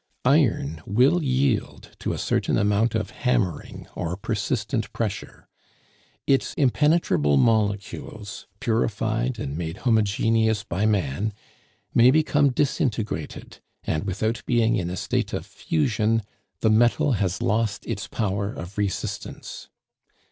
Iron will yield to a certain amount of hammering or persistent pressure; its impenetrable molecules, purified and made homogeneous by man, may become disintegrated, and without being in a state of fusion the metal had lost its power of resistance.